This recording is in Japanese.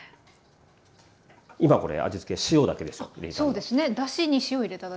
今これ味付け塩だけでしょ入れたの。